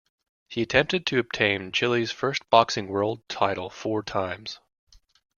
He attempted to obtain Chile's first boxing world title four times.